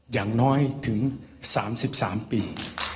อย่างน้อยถึง๓๓ปี